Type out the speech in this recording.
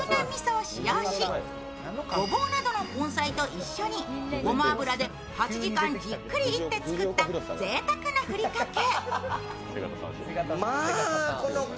味噌を使用しごぼうなどの根菜と一緒にごま油で８時間、じっくりいって作った贅沢なふりかけ。